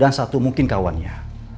dan satu mungkin kawannya